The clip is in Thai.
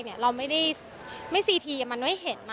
เราไม่ได้ซีทีมันไม่เห็นนะ